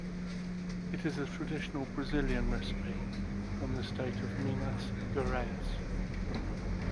It is a traditional Brazilian recipe, from the state of Minas Gerais.